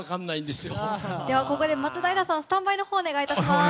ではここで、松平さんスタンバイをお願いします。